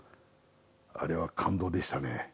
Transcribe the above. あれは感動でしたね。